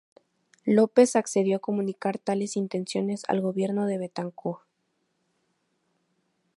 López accedió a comunicar tales intenciones al gobierno de Betancur.